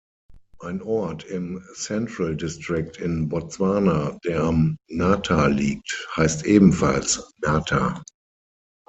Ein Ort im Central District in Botswana, der am Nata liegt, heißt ebenfalls Nata.